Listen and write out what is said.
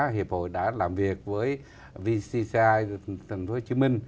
hiệp hội đã làm việc với vcci tp hcm